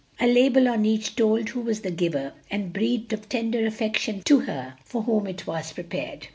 A label on each told who was the giver, and breathed of tender affection to her for whom it was prepared.